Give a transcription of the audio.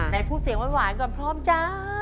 ไหนพูดเสียงหวานก่อนพร้อมจ้า